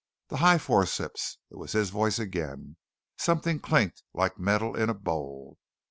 "The high forceps." It was his voice again. Something clinked like metal in a bowl.